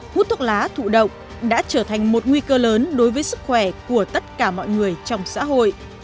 hút thuốc lá thụ động đã trở thành một nguy cơ lớn đối với sức khỏe của tất cả mọi người trong xã hội